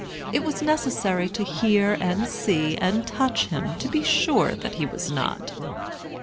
It was necessary to hear and see and touch him to be sure that he was not.